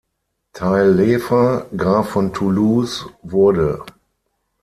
Taillefer, Graf von Toulouse, wurde.